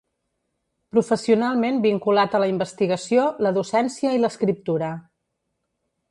Professionalment vinculat a la investigació, la docència i l'escriptura.